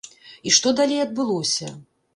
І што далей адбылося?